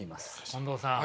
近藤さん。